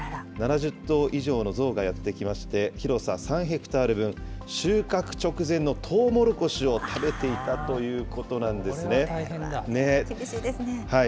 ７０頭以上のゾウがやって来まして、広さ３ヘクタール分、収穫直前のとうもろこしを食べていたということなんですね。